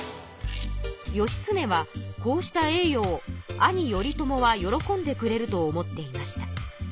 義経はこうした栄よを兄頼朝は喜んでくれると思っていました。